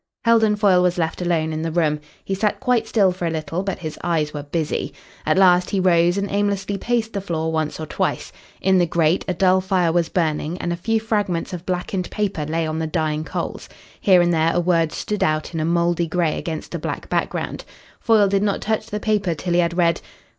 Heldon Foyle was left alone in the room. He sat quite still for a little, but his eyes were busy. At last he rose and aimlessly paced the floor once or twice. In the grate a dull fire was burning, and a few fragments of blackened paper lay on the dying coals. Here and there a word stood out in a mouldy grey against a black background. Foyle did not touch the paper till he had read